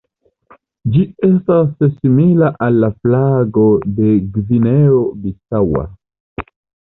Ĝi estas simila al la flago de Gvineo Bisaŭa.